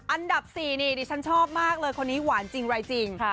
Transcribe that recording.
อันดับ๔นี่ดิฉันชอบมากเลยคนนี้หวานจริงอะไรจริง